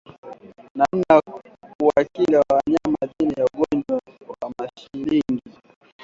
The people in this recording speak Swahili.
Namna ya kuwakinga wanyama dhidi ya ugonjwa wa mashilingi